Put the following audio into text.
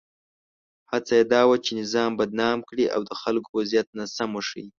هڅه یې دا وه چې نظام بدنام کړي او د خلکو وضعیت ناسم وښيي.